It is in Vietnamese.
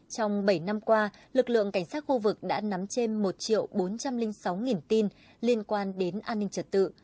trong bảy năm qua lực lượng cảnh sát khu vực đã nắm trên một bốn trăm linh sáu tin liên quan đến an ninh trật tự